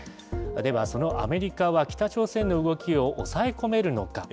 では、そのアメリカは北朝鮮の動きを押さえ込めるのか。